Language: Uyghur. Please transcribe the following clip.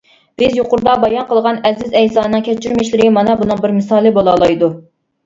بىز يۇقىرىدا بايان قىلغان ئەزىز ئەيسانىڭ كەچۈرمىشلىرى مانا بۇنىڭ بىر مىسالى بولالايدۇ.